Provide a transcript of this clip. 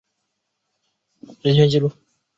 美国还联合国际社会力量抨击朝鲜的人权纪录。